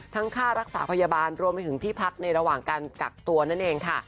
ค่ารักษาพยาบาลรวมไปถึงที่พักในระหว่างการกักตัวนั่นเองค่ะ